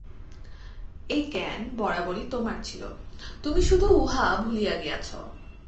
এই জ্ঞান বরাবরই তোমার ছিল, তুমি শুধু উহা ভুলিয়া গিয়াছ।